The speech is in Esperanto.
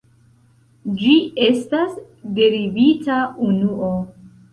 Ĝi estas derivita unuo.